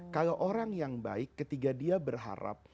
kalau orang yang baik ketika dia berharap